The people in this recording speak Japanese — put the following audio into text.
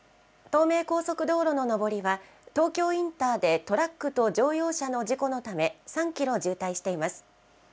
東名高速道路の上りは、東京インターでトラックと乗用車の事故のため、３キロ渋滞しています。